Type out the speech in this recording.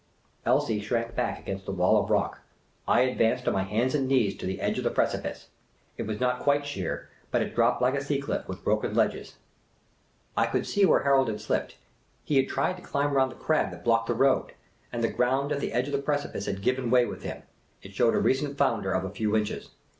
Elsie shrank back against the wall of rock. I advanced on my hands and knees to the edge of the precipice. It was not quite sheer, but it dropped like a sea cliff, with broken ledges. I ADVANCED ON MY HANDS AND KNEES TO THE EDGE OF THE TRECU'ICE. 13^ Miss Cayley's Adventures I could see where Harold had slipped. He had tried to climb round the crag that blocked the road, and the ground at the edge of the precipice had given way with him ; it showed a recent founder of a few inches.